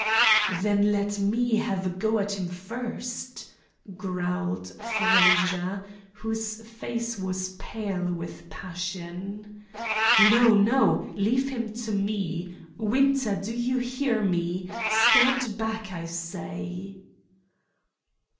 "Then let me have a go at him first," growled Frazer, whose face was pale with passion. "No, no. Leave him to me. Winter, do you hear me? Stand back, I say."